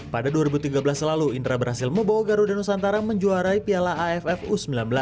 pada dua ribu tiga belas lalu indra berhasil membawa garuda nusantara menjuarai piala aff u sembilan belas